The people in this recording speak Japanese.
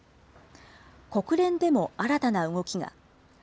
国連でも新たな動きが。